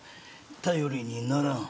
頼りにならん。